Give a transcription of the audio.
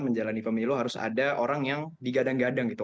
menjalani pemilu harus ada orang yang digadang gadang gitu